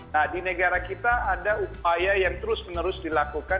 nah di negara kita ada upaya yang terus menerus dilakukan